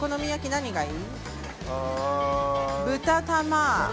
何がいい？